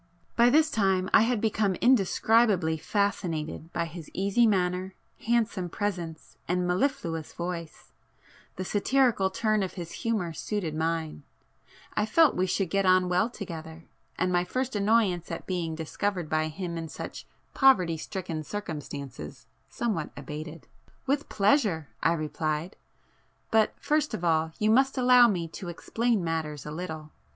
By this time I had become indescribably fascinated by his easy manner, handsome presence and mellifluous voice,—the satirical turn of his humour suited mine,—I felt we should get on well together,—and my first annoyance at being discovered by him in such poverty stricken circumstances somewhat abated. "With pleasure!" I replied—"But first of all, you must allow me to explain matters a little.